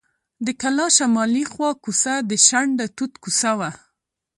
د کلا شمالي خوا کوڅه د شنډه توت کوڅه وه.